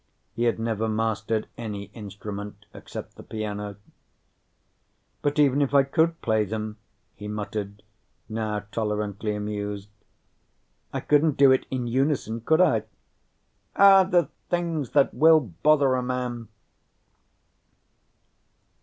He had never mastered any instrument except the piano. "But even if I could play them," he muttered, now tolerantly amused, "I couldn't do it in unison, could I? Ah, the things that will bother a man!"